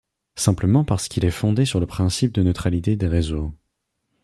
Simplement parce qu'il est fondé sur le principe de neutralité des réseaux.